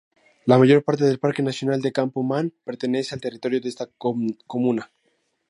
La mayor parte del parque nacional de Campo-Ma’an pertenece al territorio de esta comuna.